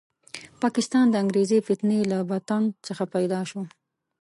پاکستان د انګریزي فتنې له بطن څخه پیدا شو.